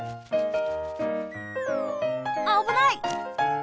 あぶない！